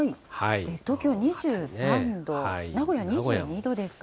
東京２３度、名古屋２２度ですか。